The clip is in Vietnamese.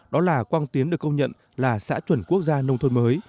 đó là quang tiến được công nhận là xã chuẩn quốc gia nông thôn mới